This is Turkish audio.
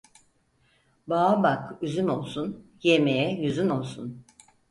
Bağa bak üzüm olsun, yemeye yüzün olsun.